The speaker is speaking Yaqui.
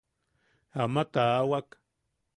Ama taawak.